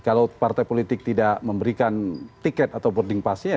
kalau partai politik tidak memberikan tiket atau boarding passnya